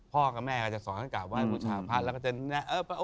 พ่อกับแม่ก็จะสอนตะวันยาวว่ารู้ชาวละพระ